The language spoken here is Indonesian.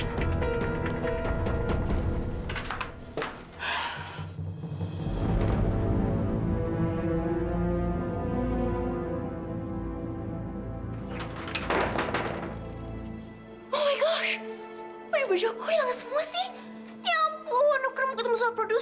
siapa sih yang nyuri baju aku